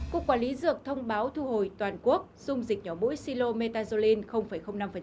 cục quản lý dược thông báo thu hồi toàn quốc dùng dịch nhỏ mũi silometazoline năm